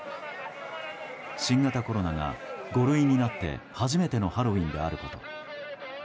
新型コロナが５類になって初めてのハロウィーンであること。